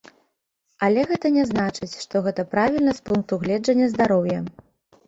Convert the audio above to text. Але гэта не значыць, што гэта правільна з пункту гледжання здароўя.